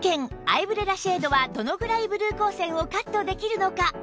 アイブレラシェードはどのくらいブルー光線をカットできるのか？